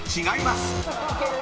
」違います］